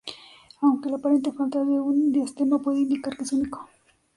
Aunque, la aparente falta de un diastema puede indicar que es único.